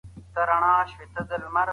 اصلي موضوع بايد په نښه سي.